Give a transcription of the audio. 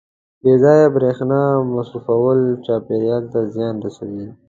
• بې ځایه برېښنا مصرفول چاپېریال ته زیان رسوي.